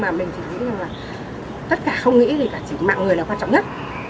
mà mình thì nghĩ rằng là tất cả không nghĩ thì cả chỉ mạng người là quan trọng nhất